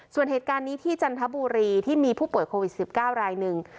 ส่วนเหตุการณ์นี้ที่จันทบุรีที่มีผู้ป่วยโควิด๑๙รายหนึ่ง